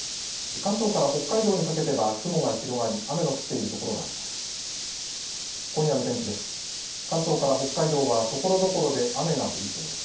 関東から北海道にかけては雲が広がり雨の降っている所があります。